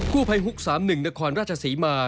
คู่ภัยฮุกสามหนึ่งนครราชสีมา